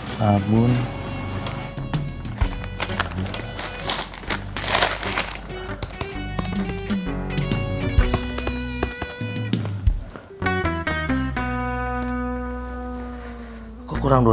kok kurang dua ribu lima ratus